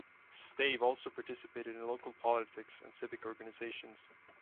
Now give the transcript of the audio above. Stave also participated in local politics and civic organizations.